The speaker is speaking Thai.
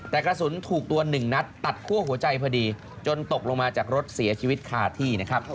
แต่กระสุนถูกตัวหนึ่งนัดตัดคั่วหัวใจพอดีจนตกลงมาจากรถเสียชีวิตคาที่นะครับ